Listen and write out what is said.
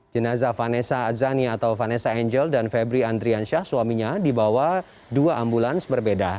jenazah vanessa azani atau vanessa angel dan febri andriansyah suaminya dibawa dua ambulans berbeda